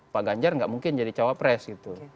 pak ganjar gak mungkin jadi cawa pres gitu